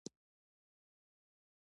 ليمڅی له وړيو څخه جوړيږي.